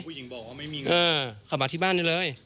ผู้หญิงบอกว่าไม่มีเงินขับมาที่บ้านได้เลย